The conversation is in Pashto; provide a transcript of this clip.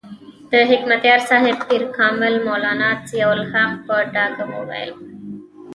د حکمتیار صاحب پیر کامل مولانا ضیاء الحق په ډاګه وویل.